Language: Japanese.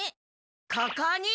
ここに！